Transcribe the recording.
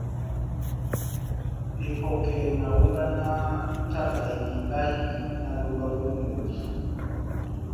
Epɔkɛ na hónganaha taba elimbahi náh lóba vó ŋʼhodi.